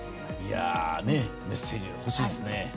メッセージ、欲しいですね。